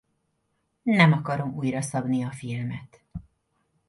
Nem akarom újra szabni a filmet.